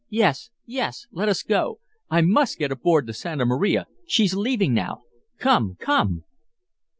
"Yes, yes! Let us go! I must get aboard the Santa Maria. She's leaving now. Come, come!"